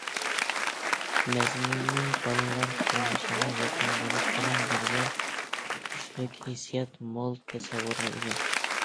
مەزمۇنى بالىلار تۇرمۇشىغا يېقىن بولۇش بىلەن بىرگە، كۈچلۈك ھېسسىيات، مول تەسەۋۋۇرغا ئىگە.